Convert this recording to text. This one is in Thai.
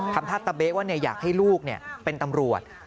ทำท่าตะเบ๊ว่าอยากให้ลูกเป็นตำรวจ